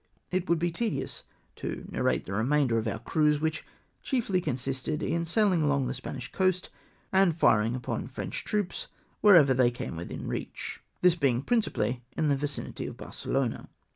It would be tedious to narrate the remainder of our cruise, which chiefly consisted in saihng along the Spanish coast, and firing upon French troops wherever they came within reach, this being principally in the vicuiity of Barcelona.